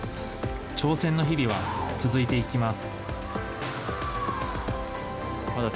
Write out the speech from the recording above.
挑戦の日々は続いていきます。